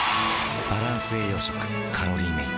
「バランス栄養食カロリーメイト」。